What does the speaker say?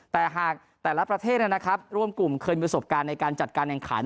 แต่หากแต่ละประเทศร่วมกลุ่มเคยมีประสบการณ์ในการจัดการแข่งขัน